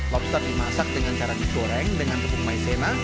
lobster dimasak dengan cara digoreng dengan tepung maizena